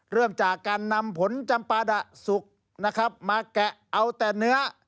เริ่มจากการนำผลจำปาดะสุกนะครับมาแกะเอาแต่เนื้อ